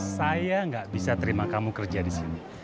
saya nggak bisa terima kamu kerja disini